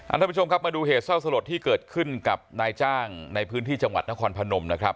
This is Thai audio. ท่านผู้ชมครับมาดูเหตุเศร้าสลดที่เกิดขึ้นกับนายจ้างในพื้นที่จังหวัดนครพนมนะครับ